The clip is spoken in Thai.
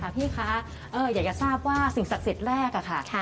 พี่คะอยากจะทราบว่าสิ่งศักดิ์สิทธิ์แรกค่ะ